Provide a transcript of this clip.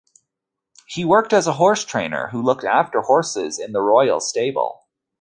He worked as a horse-trainer who looked after horses in the royal stable.